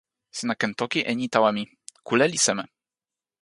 sina ken toki e ni tawa mi: kule li seme?